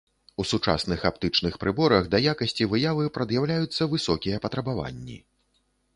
У сучасных аптычных прыборах да якасці выявы прад'яўляюцца высокія патрабаванні.